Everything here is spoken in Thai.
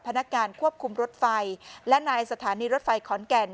พนักงานควบคุมรถไฟและนายสถานีรถไฟขอนแก่น